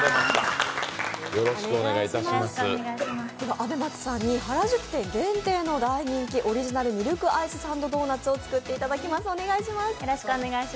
あべ松さんに原宿店限定の大人気オリジナルミルクアイスサンドドーナツを作っていただきます。